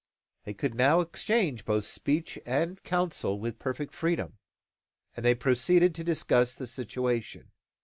They could now exchange both speech and counsel with perfect freedom; and they proceeded to discuss the situation.